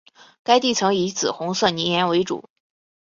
该地层以紫红色泥岩为主。